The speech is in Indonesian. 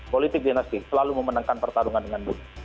politik dinasti selalu memenangkan pertarungan dengan baik